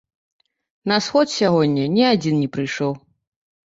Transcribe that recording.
На сход сягоння ні адзін не прыйшоў.